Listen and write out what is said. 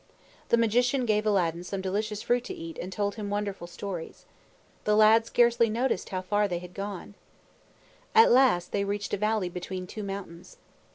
The Magician gave Aladdin some delicious fruit to eat and told him wonderful stories. The lad scarcely noticed how very far they had gone. At last they reached a valley between two mountains.